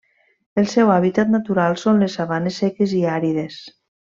El seu hàbitat natural són les sabanes seques i àrides.